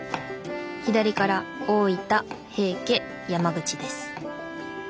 左から大分平家山口です。